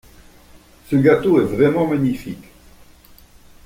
Ce gâteau est vraiment magnifique.